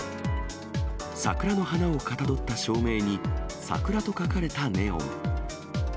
桜の花をかたどった照明に、桜と書かれたネオン。